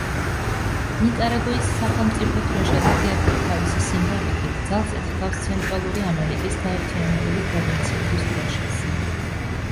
ნიკარაგუის სახელმწიფო დროშა და გერბი თავისი სიმბოლიკით ძალზედ ჰგავს ცენტრალური ამერიკის გაერთიანებული პროვინციების დროშას.